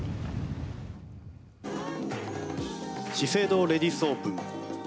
資生堂レディスオープン。